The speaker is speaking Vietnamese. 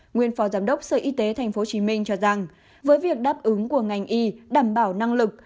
nguyên phó giám đốc sở y tế tp hcm cho rằng với việc đáp ứng của ngành y đảm bảo năng lực